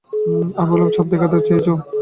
আমি বললাম, ছাদ দেখতে পাঠিয়েছেন কেন?